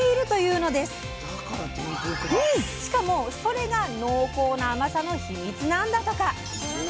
しかもそれが濃厚な甘さのヒミツなんだとか！